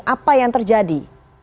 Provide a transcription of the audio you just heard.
apa yang terjadi